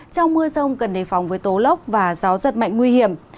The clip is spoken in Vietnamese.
trong mưa rông cần đề phòng với tố lốc và gió giật mạnh nguy hiểm